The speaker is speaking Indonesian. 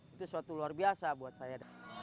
itu suatu luar biasa buat saya